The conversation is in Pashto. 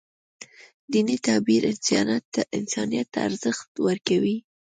دیني تعبیر انسانیت ته ارزښت ورکوي.